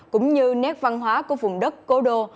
cũng như nét văn hóa của vùng đất cố đô